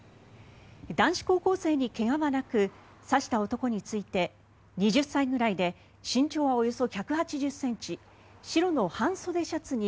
男子高校生に怪我はなく刺した男について２０歳ぐらいで身長はおよそ１８０ｃｍ